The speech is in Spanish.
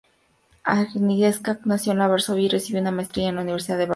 Agnieszka nació en Varsovia y recibió una maestría en la Universidad de Varsovia.